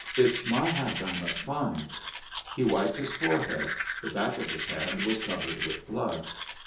it's my hat I must find." He wiped his forehead. The back of his hand was covered with blood.